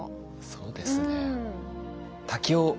そうですね。